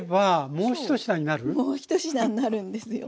もう１品になるんですよ。